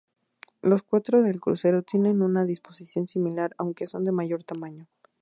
Los cuatro del crucero tienen una disposición similar aunque son de mayor tamaño.